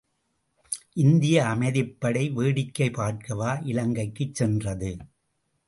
இந்திய அமைதிப்படை வேடிக்கை பார்க்கவா இலங்கைக்குச் சென்றது?